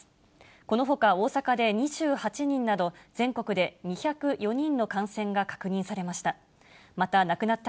このほか大阪で２８人など、全国で２０４人の感染が確認されました。